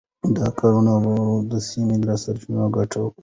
دا کاروبارونه د سیمې له سرچینو ګټه اخلي.